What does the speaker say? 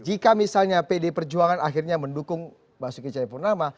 jika misalnya pd perjuangan akhirnya mendukung mas yuki cahayapurnama